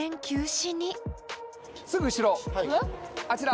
すぐ後ろあちら。